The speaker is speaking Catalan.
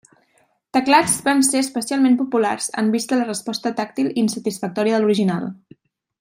Teclats van ser especialment populars en vista de la resposta tàctil insatisfactòria de l'original.